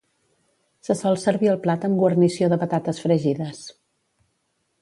Se sol servir el plat amb guarnició de patates fregides.